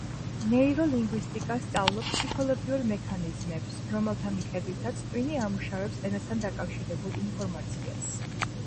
ნეიროლინგვისტიკა სწავლობს ფსიქოლოგიურ მექანიზმებს, რომელთა მიხედვითაც, ტვინი ამუშავებს ენასთან დაკავშირებულ ინფორმაციას.